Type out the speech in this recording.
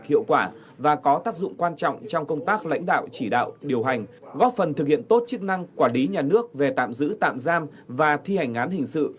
hiệu quả và có tác dụng quan trọng trong công tác lãnh đạo chỉ đạo điều hành góp phần thực hiện tốt chức năng quản lý nhà nước về tạm giữ tạm giam và thi hành án hình sự